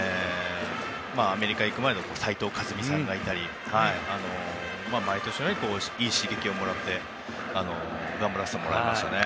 アメリカに行く前の斉藤和巳さんがいたり毎年のようにいい刺激をもらって頑張らせてもらいましたね。